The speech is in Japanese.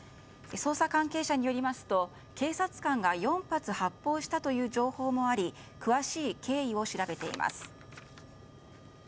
捜査関係者によりますと警察官が４発発砲したという情報もあり詳しい経緯を調べています。